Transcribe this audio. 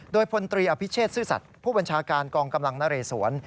โดยพลตรีอภิเชษซื่อสัตว์ผู้บัญชาการกองกำลังนเรสวน